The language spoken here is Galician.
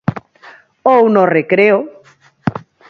Ou no recreo.